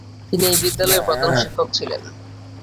তিনি এই বিদ্যালয়ের প্রধানশিক্ষক ছিলেন।